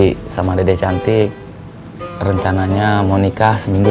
hai sama dede cantik rencananya mau nikah seminggu